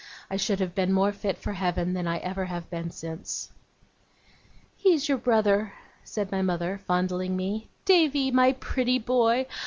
I should have been more fit for Heaven than I ever have been since. 'He is your brother,' said my mother, fondling me. 'Davy, my pretty boy!